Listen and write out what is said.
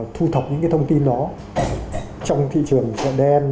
thu thọc những cái thông tin đó trong thị trường chợ đen